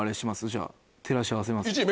じゃあ照らし合わせます？